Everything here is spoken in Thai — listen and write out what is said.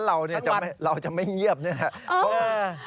แล้วเราเนี่ยเราจะไม่เงียบเนี่ยค่ะ